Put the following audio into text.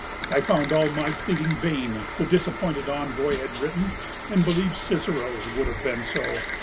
"I found all my pleading vain," the disappointed envoy had written, "and believe Cicero's would have been so.